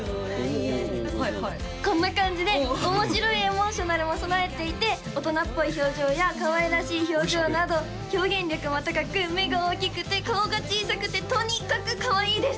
こんな感じで面白いエモーショナルも備えていて大人っぽい表情やかわいらしい表情など表現力も高く目が大きくて顔が小さくてとにかくかわいいです！